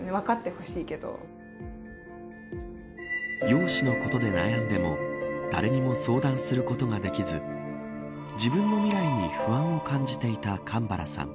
容姿のことで悩んでも誰にも相談することができず自分の未来に不安を感じていた神原さん。